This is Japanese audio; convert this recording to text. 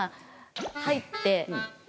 入って。